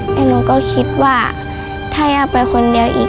แต่หนูก็คิดว่าถ้าย่าไปคนเดียวอีก